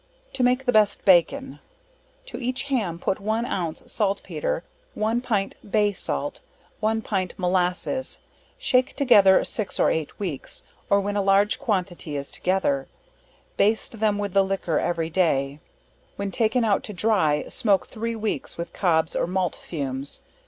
To make the best Bacon. To each ham put one ounce saltpetre, one pint bay salt, one pint molasses, shake together 6 or 8 weeks, or when a large quantity is together, bast them with the liquor every day; when taken out to dry, smoke three weeks with cobs or malt fumes.